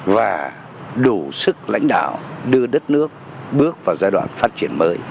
và đủ sức lãnh đạo đưa đất nước bước vào giai đoạn phát triển mới